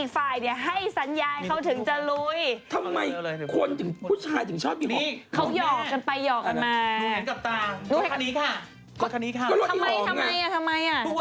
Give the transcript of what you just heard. เป็นผู้ชายที่ช่างหิว